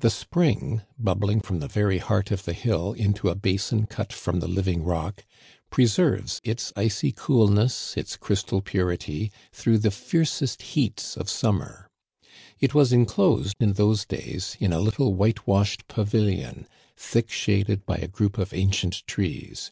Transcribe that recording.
The spring, bubbling from the very heart of the hill into a basin cut from the living rock, preserves its icy coolness, its crystal purity, through the fiercest heats of summer. It was inclosed in those days in a little white washed pavilion, thick shaded by a group of ancient trees.